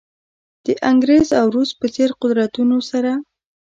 د انګریز او روس په څېر قدرتونو سره.